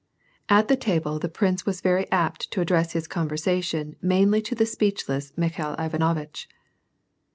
At the table the prince was veiy apt to address his conversation mainly to the speechless Mikhail Ivanovitch.